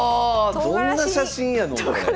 どんな写真やのこれ。